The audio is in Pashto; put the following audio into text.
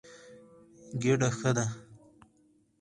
ګېډه ښه ده.